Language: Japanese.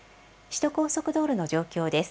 首都高速道路の状況です。